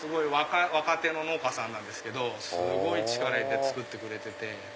若手の農家さんなんですけどすごい力入れて作ってくれてて。